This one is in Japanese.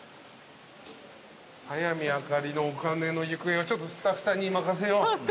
早見あかりのお金の行方はスタッフさんに任せよう。